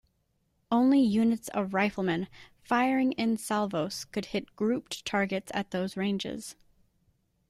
Only units of riflemen firing in salvos could hit grouped targets at those ranges.